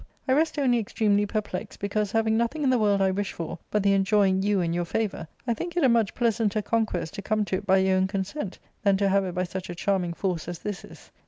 I rest only extremely perplexed, because, having nothing in the world I wish for but the enjoying you and your favour, I think it a much pleasanter conquest to come to it by your own consent than to have it by such a charming force as this is.